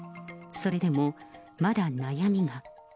それでもまだ悩みが。